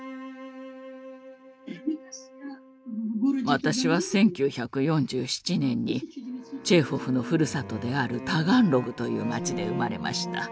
私は１９４７年にチェーホフのふるさとであるタガンログという町で生まれました。